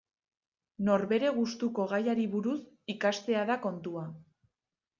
Norbere gustuko gaiari buruz ikastea da kontua.